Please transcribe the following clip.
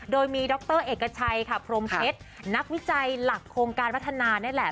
โดยมีดรเอกชัยค่ะพรมเพชรนักวิจัยหลักโครงการพัฒนานี่แหละ